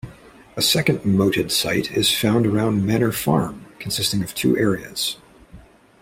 A second moated site is found around Manor Farm, consisting of two areas.